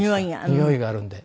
においがあるんで。